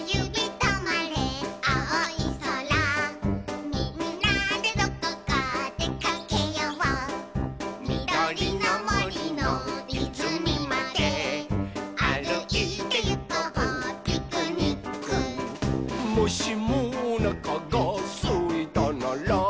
とまれあおいそら」「みんなでどこかでかけよう」「みどりのもりのいずみまであるいてゆこうピクニック」「もしもおなかがすいたなら」